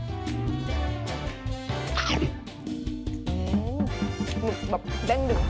หมึกแบบเด้งดึง